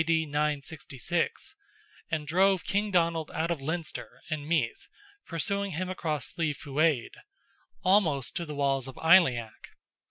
D. 966), and drove King Donald out of Leinster and Meath, pursuing him across Slieve Fuaid, almost to the walls of Aileach.